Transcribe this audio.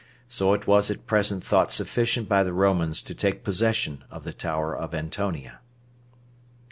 So it was at present thought sufficient by the Romans to take possession of the tower of Antonia.